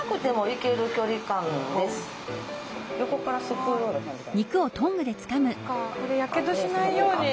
そっかこれやけどしないように。